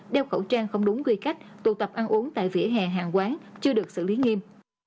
đeo khẩu trang không đúng quy cách tụ tập ăn uống tại vỉa hè hàng quán chưa được xử lý nghiêm